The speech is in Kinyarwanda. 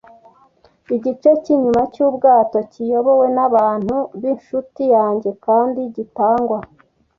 igice cyinyuma cyubwato, kiyobowe nabantu b'inshuti yanjye, kandi gitangwa